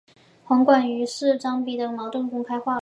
黄绾于是与张璁的矛盾公开化了。